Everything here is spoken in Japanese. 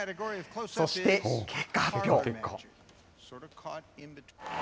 そして結果発表。